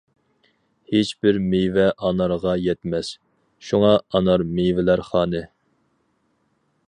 ھېچ بىر مېۋە ئانارغا يەتمەس، شۇڭا ئانار مېۋىلەر خانى.